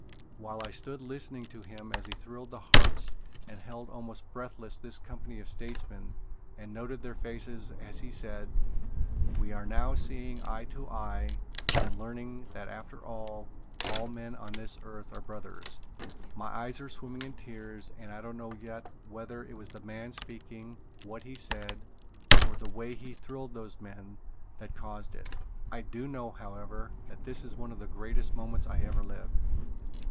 While I stood listening to him as he thrilled the hearts and held almost breathless this company of statesmen and noted their faces as he said: "We are now seeing eye to eye and learning that after all, all men on this earth are brothers," my eyes are swimming in tears and I don't know yet whether it was the man speaking, what he said, or the way he thrilled those men, that caused it. I do know, however, that it was one of the greatest moments I ever lived.